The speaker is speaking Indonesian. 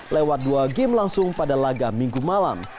lewat dua game langsung pada laga minggu malam